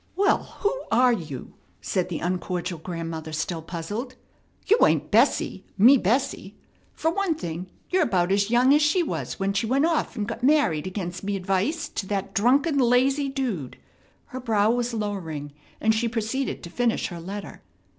"Well, who are you?" said the uncordial grandmother, still puzzled. "You ain't Bessie, me Bessie. Fer one thing, you're 'bout as young as she was when she went off 'n' got married, against me 'dvice, to that drunken, lazy dude." Her brow was lowering, and she proceeded to finish her letter.